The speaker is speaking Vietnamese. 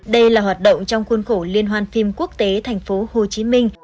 đây là hoạt động trong khuôn khổ liên hoan phim quốc tế thành phố hồ chí minh